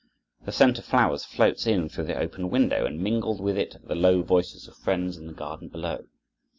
The scent of flowers floats in through the open window, and mingled with it the low voices of friends in the garden below.